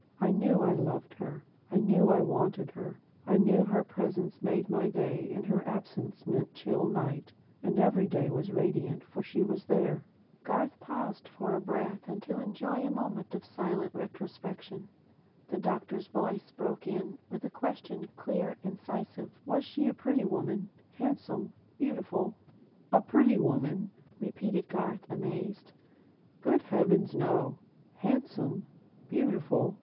I knew I loved her; I knew I wanted her; I knew her presence made my day and her absence meant chill night; and every day was radiant, for she was there." Garth paused for breath and to enjoy a moment of silent retrospection. The doctor's voice broke in with a question, clear, incisive. "Was she a pretty woman; handsome, beautiful?" "A pretty woman?" repeated Garth, amazed: "Good heavens, no! Handsome? Beautiful?